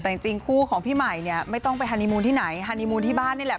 แต่จริงคู่ของพี่ใหม่เนี่ยไม่ต้องไปฮานีมูลที่ไหนฮานีมูลที่บ้านนี่แหละ